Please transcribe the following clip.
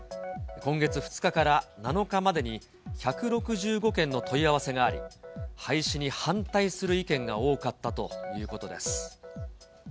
今月２日から７日までに１６５件の問い合わせがあり、廃止に反対する意見が多かったということです。